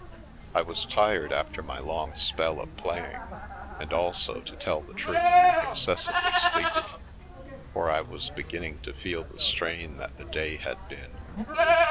I was tired after my long spell of playing, and also, to tell the truth, excessively sleepy, for I was beginning to feel the strain that the day had been.